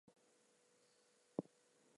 To the left of the altar stood his wife.